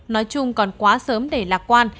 nói chung còn quá sớm để lạc quan